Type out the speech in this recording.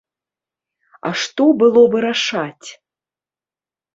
А што было вырашаць?